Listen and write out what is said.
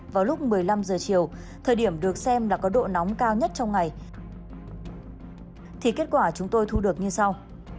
vào lúc một mươi năm giờ chiều thời điểm được xem là có độ nóng cao nhất trong ngày thì kết quả chúng tôi thu được như sau